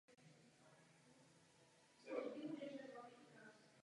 V publikaci jsou uváděny v té době ještě neobvyklá technická řešení.